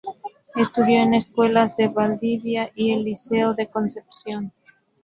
Estudió en escuelas de Valdivia y el Liceo de Concepción.